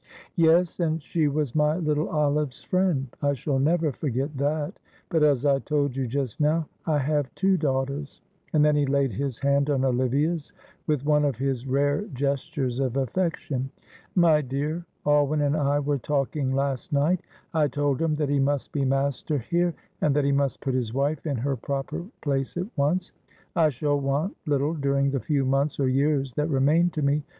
"Yes, and she was my little Olive's friend. I shall never forget that, but as I told you just now, I have two daughters," and then he laid his hand on Olivia's with one of his rare gestures of affection. "My dear, Alwyn and I were talking last night. I told him that he must be master here, and that he must put his wife in her proper place at once. I shall want little during the few months or years that remain to me.